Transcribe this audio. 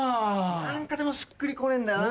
何かでもしっくり来ねえんだよな。